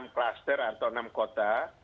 klaster atau enam kota